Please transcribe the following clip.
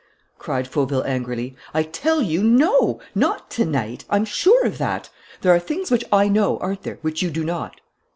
cried Fauville angrily. "I tell you no! Not to night. I'm sure of that. There are things which I know, aren't there, which you do not?"